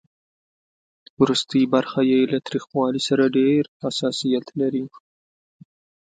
ورستۍ برخه یې له تریخوالي سره ډېر حساسیت لري.